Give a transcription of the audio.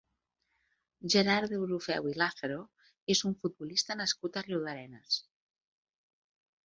Gerard Deulofeu i Lázaro és un futbolista nascut a Riudarenes.